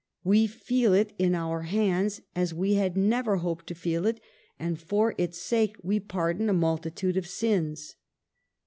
We feel it in our hands, as we had never hoped to feel it ; and for its sake we pardon a multitude of sins.